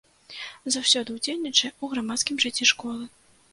Заўсёды ўдзельнічае ў грамадскім жыцці школы.